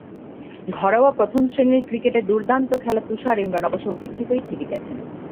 ঘরোয়া প্রথম শ্রেণির ক্রিকেটে দুর্দান্ত খেলা তুষার ইমরান অবশ্য উপেক্ষিতই থেকে গেছেন।